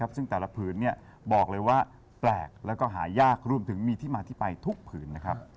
ซึ่งแต่ละผืนบอกเลยว่าแปลกแล้วก็หายากรวมถึงมีที่มาที่ไปทุกผืนนะครับ